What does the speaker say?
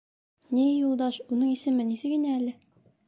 Ни, Юлдаш, уның исеме нисек ине әле?